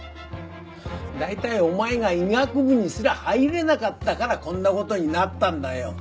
大体お前が医学部にすら入れなかったからこんな事になったんだよ！